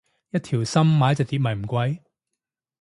一條心買一隻碟咪唔貴